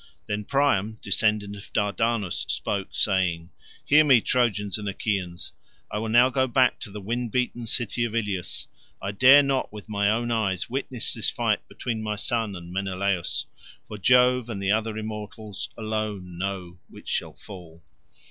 Then Priam, descendant of Dardanus, spoke, saying, "Hear me, Trojans and Achaeans, I will now go back to the wind beaten city of Ilius: I dare not with my own eyes witness this fight between my son and Menelaus, for Jove and the other immortals alone know which shall fall."